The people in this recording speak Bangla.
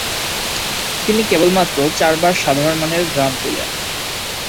তিনি কেবলমাত্র চারবার সাধারণমানের রান তুলেন।